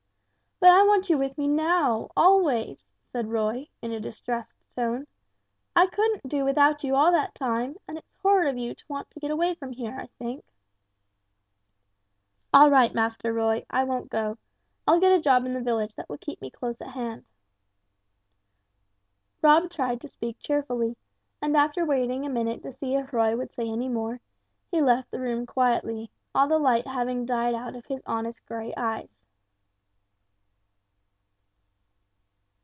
"But I want you with me now always" said Roy, in a distressed tone; "I couldn't do without you all that time, and it's horrid of you to want to get away from here, I think." "All right, Master Roy, I won't go I'll get a job in the village that will keep me close at hand." Rob tried to speak cheerfully, and after waiting a minute to see if Roy would say any more, he left the room quietly; all the light having died out of his honest grey eyes.